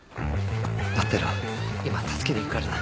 待ってろ今助けに行くからな。